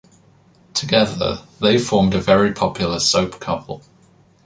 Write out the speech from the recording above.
Together, they formed a very popular soap couple.